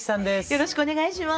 よろしくお願いします。